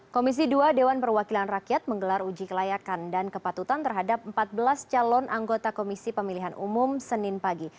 komisi dua dewan perwakilan rakyat menggelar uji kelayakan dan kepatutan terhadap empat belas calon anggota komisi pemilihan umum senin pagi